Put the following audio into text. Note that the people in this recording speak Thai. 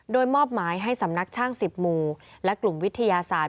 โดยมอบหมายให้สำนักช่าง๑๐หมู่และกลุ่มวิทยาศาสตร์